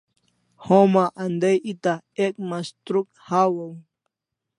Homa andai eta ek mastruk hawaw